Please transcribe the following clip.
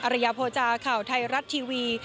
ระยะโภจาข่าวไทยรัฐทีวี